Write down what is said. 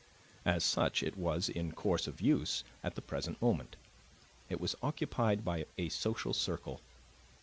As such it was in course of use at the present moment; it was occupied by a social circle.